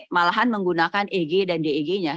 malahan menggunakan eg dan deg nya